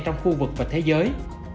trong khu vực và thế giới